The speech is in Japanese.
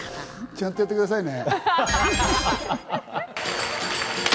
ちゃんとやってくださいね。